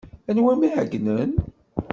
Anwa ay am-iɛeyynen?